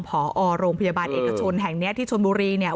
พอโรงพยาบาลเอกชนแห่งเนี้ยที่ชนบุรีเนี่ย